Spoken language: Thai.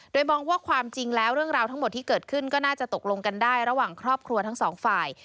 โดยมองว่าความจริงแล้วเรื่องราวทั้งหมดที่เกิดขึ้นก็น่าจะตกลงกันได้ระหว่างครอบครัวทั้งสองฝ่าย